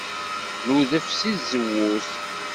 Nudef seg tzewwut.